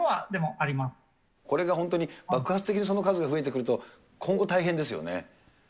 これが本当に爆発的にその数が増えてくると、今後、大変ですよね。